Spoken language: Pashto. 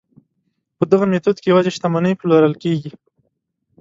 په دغه میتود کې یوازې شتمنۍ پلورل کیږي.